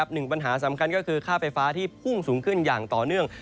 หนึ่งปัญหาสำคัญก็คือค่าไฟฟ้าที่พุ่งสูงขึ้นอย่างต่อเนื่อง